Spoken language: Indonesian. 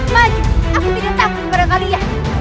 maju aku tidak takut pada kalian